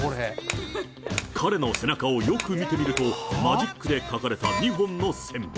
彼の背中をよく見てみると、マジックで書かれた２本の線。